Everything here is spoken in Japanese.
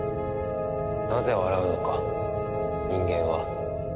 なぜ笑うのか人間は。